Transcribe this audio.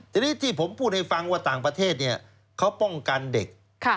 ทีนี้ที่ผมพูดให้ฟังว่าต่างประเทศเขาป้องกันเด็ก